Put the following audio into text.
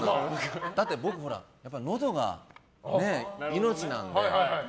だって僕、のどがね命なので。